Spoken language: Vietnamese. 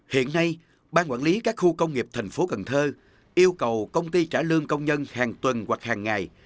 hiện nay ban quản lý các khu công nghiệp thành phố cần thơ yêu cầu công ty trả lương công nhân hàng tuần hoặc hàng ngày